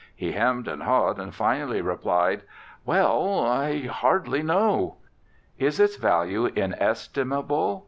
He hemmed and hawed and finally replied: "Well, I hardly know." "Is its value inestimable?"